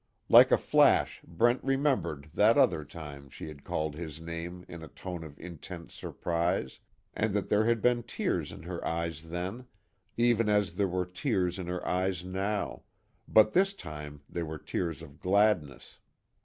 Like a flash Brent remembered that other time she had called his name in a tone of intense surprise, and that there had been tears in her eyes then, even as there were tears in her eyes now, but this time they were tears of gladness.